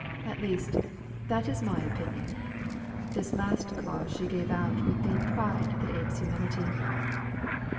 At least, that is my opinion." This last clause she gave out with "the pride that apes humility."